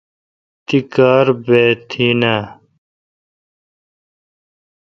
تی کار بہ تی ناں